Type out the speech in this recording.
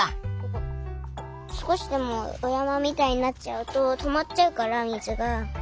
すこしでもおやまみたいになっちゃうととまっちゃうから水が。